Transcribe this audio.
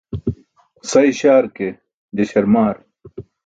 Sa iśaar ke, je śarmaar.